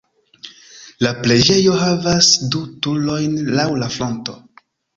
La preĝejo havas du turojn laŭ la fronto.